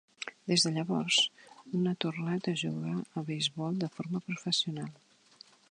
Des de llavors, no ha tornat a jugar a beisbol de forma professional.